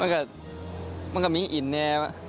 ก็จะมีอินแน่ป่ะ